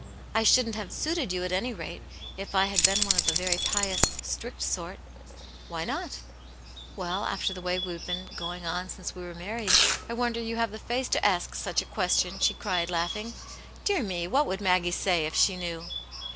I shouldn't have suited you at any rate if I had been one pf the very pious, strict sort" '' Why not .?"" Well, after the way we've been going on since we were married, I wonder you have the face to ask such a question !" she cried, laughing. Dear me, what would Maggie say, if she knew